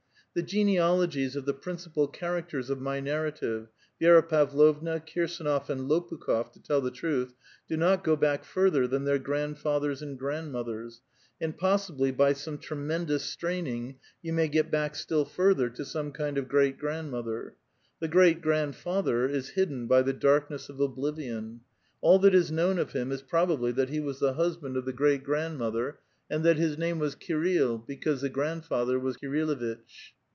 The genealogies of the principal cliaractors of my narrative, Vi^ra Pavlovna, Kir sAnof, and Lopukh6f, to tell the truth, do not go back further than their grandfathers and grandmothers, and possibly by some tremendous straining, you may get back still further to some kind of great grandmother ; the great grandfather is hidden by the darkness of oblivion ; all that is known of him is probably that he was the husband of the great grand A VITAL QUESTION, 273 mother, and that his name was Kirill, because the grand father was Kirilluitch.